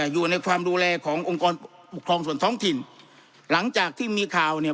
อยู่ในความดูแลขององค์กรปกครองส่วนท้องถิ่นหลังจากที่มีข่าวเนี่ย